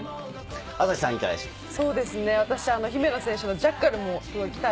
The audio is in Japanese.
朝日さん、いかがですか？